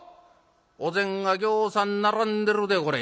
お膳がぎょうさん並んでるでこれ。